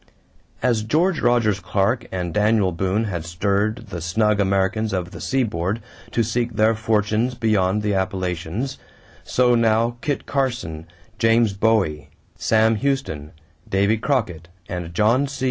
= As George Rogers Clark and Daniel Boone had stirred the snug Americans of the seaboard to seek their fortunes beyond the Appalachians, so now Kit Carson, James Bowie, Sam Houston, Davy Crockett, and John C.